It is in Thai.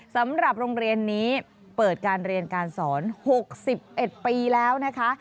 สำหรับโรงเรียนนี้เปิดการเรียนการสอน๖๑ปีแล้วนะคะ